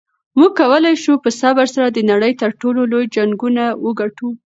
موږ کولی شو په صبر سره د نړۍ تر ټولو لوی جنګونه وګټو.